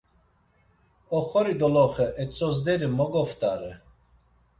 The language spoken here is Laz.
Oxori doloxe etzozderi mo goft̆are!